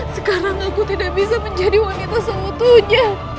sekarang aku tidak bisa menjadi wanita seutuhnya